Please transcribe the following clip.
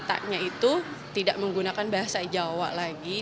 karena ceritanya itu tidak menggunakan bahasa jawa lagi